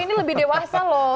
ini lebih dewasa loh